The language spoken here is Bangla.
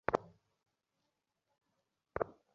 আমি সেই অবস্থায় নেই যে দিনগুলো সেবা করে কাটাবো।